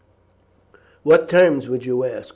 "What terms would you ask?